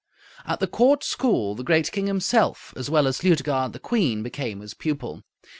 At the court school the great king himself, as well as Liutgard the queen, became his pupil.